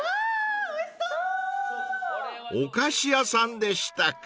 ［お菓子屋さんでしたか］